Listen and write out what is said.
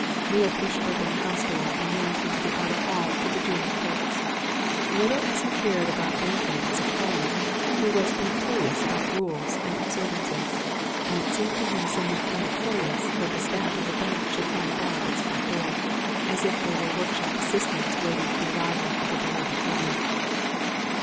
Neale pushed open the house door and went into the outer hall to the junior clerks. Little as he cared about banking as a calling, he was punctilious about rules and observances, and it seemed to him somewhat indecorous that the staff of a bank should hang about its front door, as if they were workshop assistants awaiting the arrival of a belated foreman.